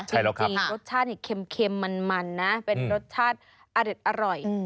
จริงรสชาตินี่เค็มมันนะเป็นรสชาติอเด็ดอร่อย